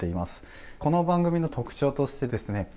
この番組の特徴としてですね